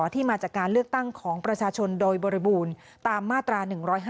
ที่มาจากการเลือกตั้งของประชาชนโดยบริบูรณ์ตามมาตรา๑๕